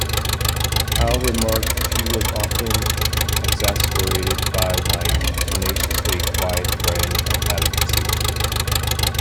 Howe remarked, She was often exasperated by my tenaciously quiet brand of advocacy.